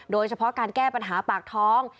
โดยเฉพาะการแก้ปัญหาปากท้อง